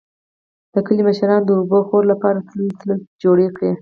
د کلي مشرانو د اوبهخور لپاره ټلۍ ټلۍ جوړې کړې.